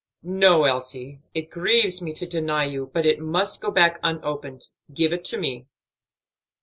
"No, Elsie; it grieves me to deny you, but it must go back unopened. Give it to me."